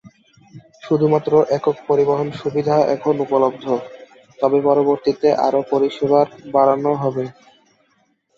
শুধুমাত্র একক পরিবহন সুবিধা এখন উপলব্ধ, তবে পরবর্তীতে আরও পরিষেবার বাড়ানো হবে।